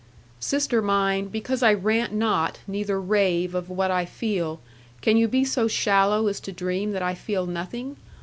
'Sister mine, because I rant not, neither rave of what I feel, can you be so shallow as to dream that I feel nothing?